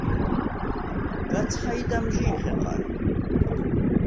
გაცხაჲდ ამჟი̄ნ ხეყარ.